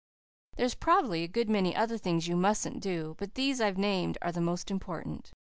There's prob'ly a good many other things you mustn't do, but these I've named are the most important.